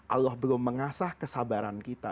allah belum mengasah kesabaran kita